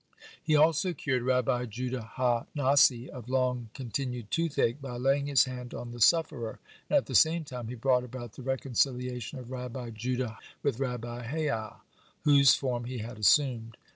He also cured Rabbi Judah ha Nasi of long continued toothache by laying his hand on the sufferer, and at the same time he brought about the reconciliation of Rabbi Judan with Rabbi Hayyah, whose form he had assumed.